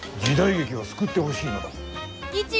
時代劇を救ってほしいのだ。